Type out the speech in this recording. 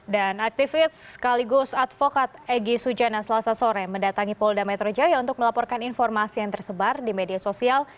dan aktivis sekaligus advokat egy sujana selasa sore mendatangi polda metro jaya untuk melaporkan informasi yang tersebar di media sosial